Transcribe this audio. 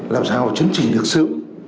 làm sao chứng chỉnh được xử